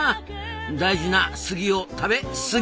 大事なスギを食べ「すぎ」